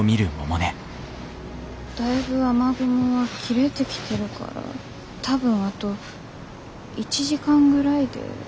だいぶ雨雲は切れてきてるから多分あと１時間ぐらいでこの雨はやむと思います。